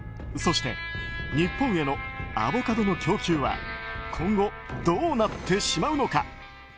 そして、日本へのアボカドの供給は今後、どうなってしまうのか。